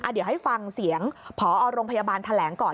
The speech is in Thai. เดี๋ยวให้ฟังเสียงพอโรงพยาบาลแถลงก่อน